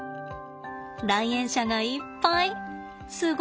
来園者がいっぱい。